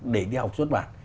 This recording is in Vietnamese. để đi học xuất bản